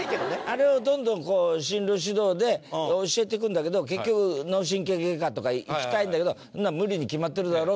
あれをどんどんこう進路指導で教えていくんだけど結局脳神経外科とか行きたいんだけど「そんなの無理に決まってるだろ」